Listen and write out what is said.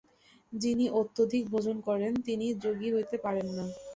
যিনি অত্যধিক ভোজন করেন, তিনি যোগী হইতে পারেন না।